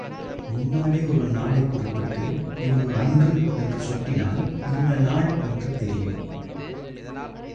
முன்னாலே ஒரு நாளைக் குறிப்பிட்டுப் பின்பு அன்று என்று சுட்டினால் இன்ன நாள் என்று தெரியும்.